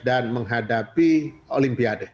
dan menghadapi olimpiade